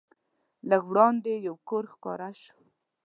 لږ وړاندې یو کور ښکاره شو.